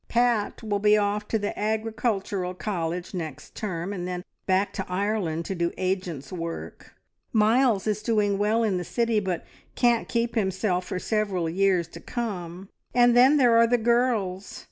"Pat will be off to the Agricultural College next term, and then back to Ireland to do agent's work; Miles is doing well in the city, but can't keep himself for several years to come; and then there are the girls.